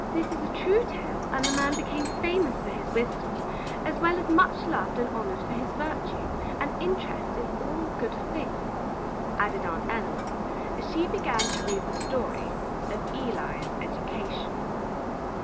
"This is a true tale, and the man became famous for his wisdom, as well as much loved and honored for his virtue, and interest in all good things," added Aunt Elinor, as she began to read the story of ELI'S EDUCATION.